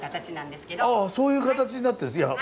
あそういう形になってるいや